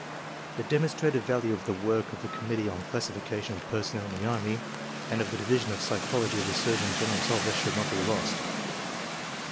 The demonstrated value of the work of the Committee on Classification of Personnel in the Army and of the Division of Psychology of the Surgeon General's Office should not be lost.